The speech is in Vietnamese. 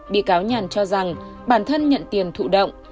bị cáo nhàn cho rằng bản thân nhận tiền thụ động